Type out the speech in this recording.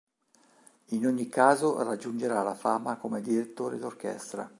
In ogni caso raggiungerà la fama come direttore d'orchestra.